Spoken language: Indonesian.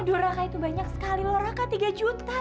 aduh raka itu banyak sekali loh raka tiga juta